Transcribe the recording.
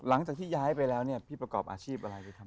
หลังจากที่ย้ายไปแล้วพี่ประกอบอาชีพอะไรไปทำ